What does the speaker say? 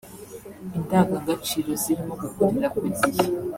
ingandagaciro zirimo gukorera ku gihe